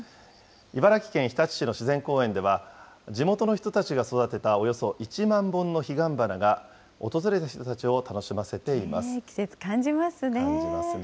茨城県日立市の自然公園では、地元の人たちが育てたおよそ１万本のヒガンバナが、季節感じますね。